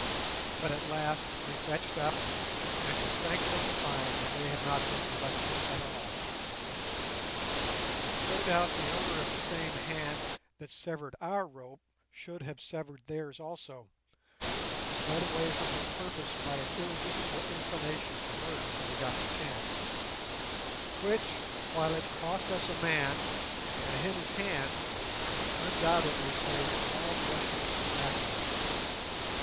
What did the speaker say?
But at last we fetched up, and were thankful to find that they had not been molested at all. No doubt the owner of the same hand that severed our rope should have severed theirs also, but was led away from his purpose by an irresistible inclination to murder when he got the chance, which, while it cost us a man and him his hand, undoubtedly saved all the rest of us from massacre.